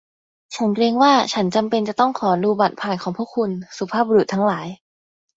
ฉันเกรงว่าฉันจำเป็นจะต้องขอดูบัตรผ่านของพวกคุณ สุภาพบุรุษทั้งหลาย